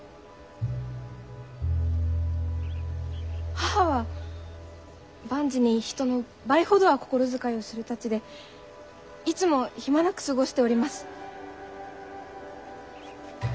母は万事に人の倍ほどは心遣いをするたちでいつも暇なく過ごしております。